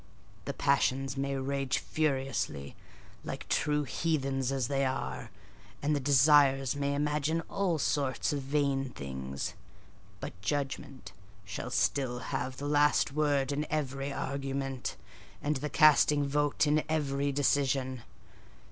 The passions may rage furiously, like true heathens, as they are; and the desires may imagine all sorts of vain things: but judgment shall still have the last word in every argument, and the casting vote in every decision.